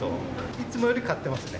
いつもより買ってますね。